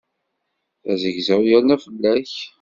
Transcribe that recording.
Azegzaw yerna fell-ak.